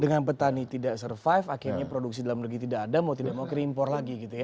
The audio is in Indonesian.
dengan petani tidak survive akhirnya produksi dalam negeri tidak ada mau tidak mau kita impor lagi gitu ya